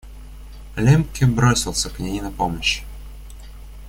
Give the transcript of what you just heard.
Лембке бросился к ней на помощь.